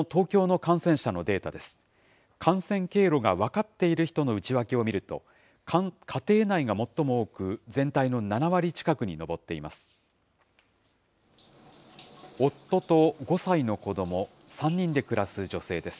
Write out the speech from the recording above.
感染経路が分かっている人の内訳を見ると、家庭内が最も多く、全体の７割近くに上っています。